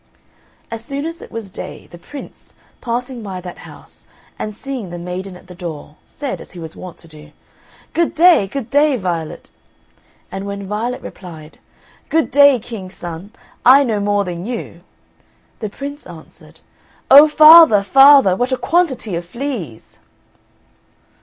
As soon as it was day, the Prince, passing by that house, and seeing the maiden at the door, said, as he was wont to do, "Good day, good day, Violet!" and when Violet replied, "Good day, King's son! I know more than you!" the Prince answered, "Oh, father, father, what a quantity of fleas!"